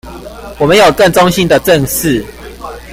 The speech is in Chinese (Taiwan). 我們有更中性的「正視」